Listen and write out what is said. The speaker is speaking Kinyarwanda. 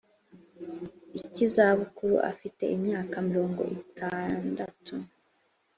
cy izabukuru afite imyaka mirongo itandatu